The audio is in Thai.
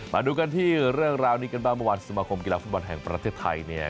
มาดูกันที่เรื่องราวนี้กันบ้างเมื่อวานสมาคมกีฬาฟุตบอลแห่งประเทศไทยเนี่ย